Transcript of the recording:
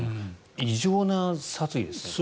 異常な殺意ですね。